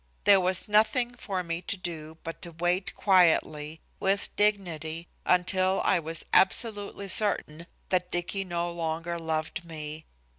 There was nothing for me to do but to wait quietly, with dignity, until I was absolutely certain that Dicky no longer loved me.